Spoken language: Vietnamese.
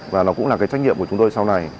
và nó cũng là cái trách nhiệm của chúng tôi sau này